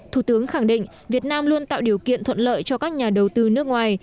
thủ tướng khẳng định việt nam luôn tạo điều kiện thuận lợi cho các nhà đầu tư nước ngoài